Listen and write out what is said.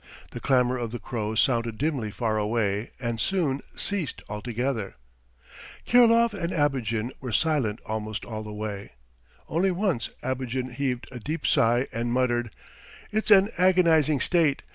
The clamour of the crows sounded dimly far away and soon ceased altogether. Kirilov and Abogin were silent almost all the way. Only once Abogin heaved a deep sigh and muttered: "It's an agonizing state!